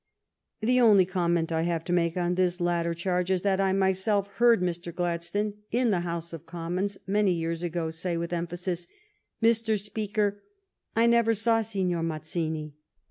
The only comment I have to make on this latter charge is that I myself heard Mr. Gladstone, in the House of Commons, many years ago, say, with emphasis, " Mr. Speaker, I never saw Signor Mazzini."